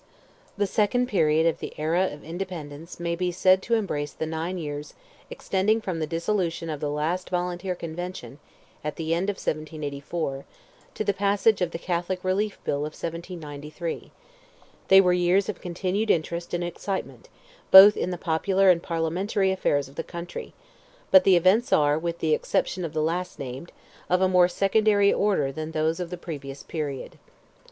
The second period of the era of independence may be said to embrace the nine years extending from the dissolution of the last Volunteer Convention, at the end of 1784, to the passage of the Catholic Relief Bill of 1793. They were years of continued interest and excitement, both in the popular and parliamentary affairs of the country; but the events are, with the exception of the last named, of a more secondary order than those of the previous period.